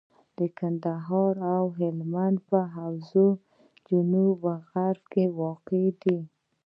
کندهار او هلمند په حوزه جنوب غرب کي واقع دي.